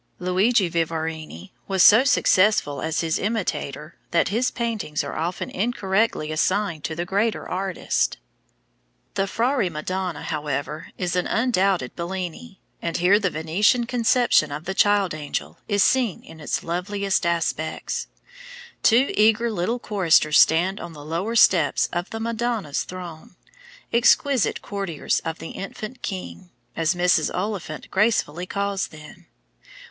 Luigi Vivarini was so successful as his imitator that his paintings are often incorrectly assigned to the greater artist. [Illustration: PIPING ANGEL. BELLINI.] The Frari Madonna, however, is an undoubted Bellini, and here the Venetian conception of the child angel is seen in its loveliest aspects. Two eager little choristers stand on the lower steps of the Madonna's throne, "exquisite courtiers of the Infant King," as Mrs. Oliphant gracefully calls them.